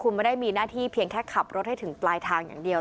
คุณไม่ได้มีหน้าที่เพียงแค่ขับรถให้ถึงปลายทางอย่างเดียว